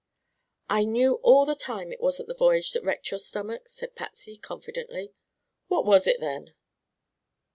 "I knew all the time it wasn't the voyage that wrecked your stomach," said Patsy confidently. "What was it, then?"